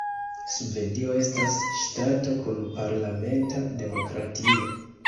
Svedio estas ŝtato kun parlamenta demokratio.